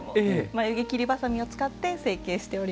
眉毛切りバサミを使って成形しております。